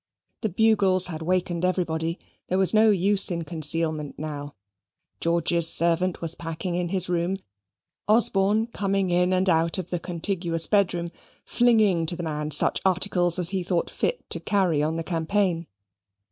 The bugles had wakened everybody: there was no use in concealment now. George's servant was packing in this room: Osborne coming in and out of the contiguous bedroom, flinging to the man such articles as he thought fit to carry on the campaign.